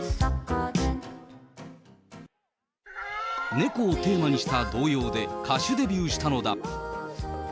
猫をテーマにした童謡で歌手デビューしたのだ。